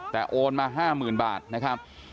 แต่โอนมา๕๐๐๐บาทนะครับ